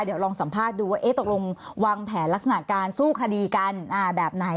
เดี๋ยวลองสัมภาษณ์ดูว่าตกลงวางแผนลักษณะการสู้คดีกันแบบไหน